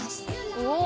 おお。